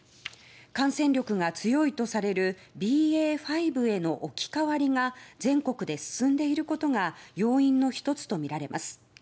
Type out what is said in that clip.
感染力が強いとされるＢＡ．５への置き換わりが全国で進んでいることが要因の１つとみられます。